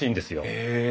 へえ。